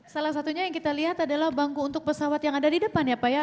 salah satunya yang kita lihat adalah bangku untuk pesawat yang ada di depan ya pak ya